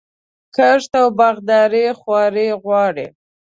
کښت او باغداري خواري غواړي.